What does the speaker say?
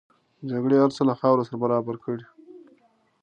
جګړه هر څه له خاورو سره برابر کړي